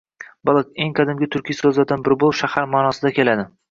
Baliq - eng qadimgi turkiy so‘zlardan biri bo‘lib, shahar ma’nosida keladi.